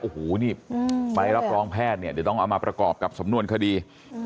โอ้โหนี่ไฟรับรองแพทย์จะต้องเอามาประกอบกับสำนวนคดี